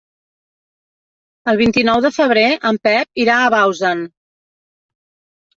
El vint-i-nou de febrer en Pep irà a Bausen.